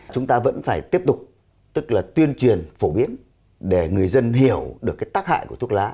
chúng ta vẫn phải tiếp tục tức là tuyên truyền phổ biến để người dân hiểu được cái tác hại của thuốc lá